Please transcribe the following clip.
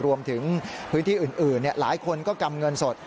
รวมถึงพื้นที่อื่นหลายคนก็กำเงินสด